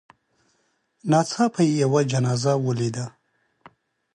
ناڅاپه یې یوه جنازه ولیده.